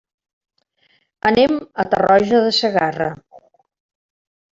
Anem a Tarroja de Segarra.